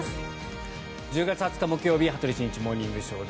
１０月２０日、木曜日「羽鳥慎一モーニングショー」。